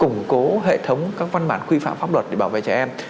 cũng như là củng cố hệ thống các văn bản quy phạm pháp luật để bảo vệ trẻ em